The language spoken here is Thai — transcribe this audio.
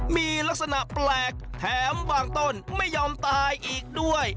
มีลักษณะแปลกแถมบางต้นไม่ยอมตายอีกด้วย